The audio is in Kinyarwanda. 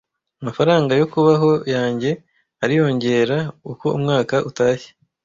Amafaranga yo kubaho yanjye ariyongera uko umwaka utashye.